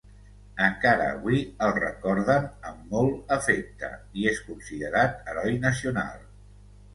Encara avui el recorden amb molt afecte i és considerat heroi nacional.